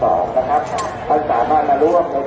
นะครับอาจารย์ปี๒๕๖๒นะครับ